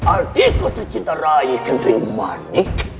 adikku tercinta raih kenternyaman